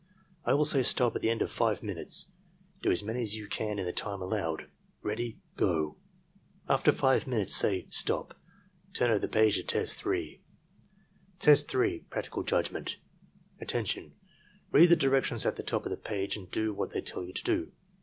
I will say stop at the end of five minutes. Do as many as you can in the time allowed. — Ready — Go!" After 6 minutes, say "STOP! Turn over the page to test 3." Test 3. — ^Practical Judgment Attention! Read the directions at the top of the page and do what they tell you to do.